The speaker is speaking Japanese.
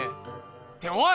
っておい！